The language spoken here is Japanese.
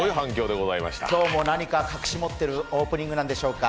今日も何か隠し持っているオープニングなんでしょうか？